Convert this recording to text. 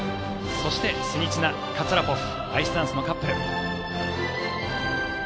そしてシニツィナ、カツァラポフアイスダンスのカップル。